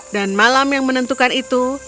dan malam yang menentukan itu